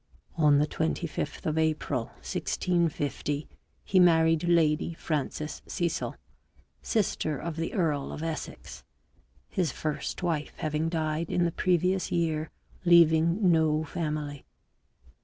On the 25th of April 1650, he married Lady Frances Cecil, sister of the earl of Essex, his first wife having died in the previous year leaving no family.